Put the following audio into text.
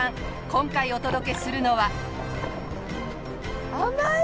今回お届けするのは。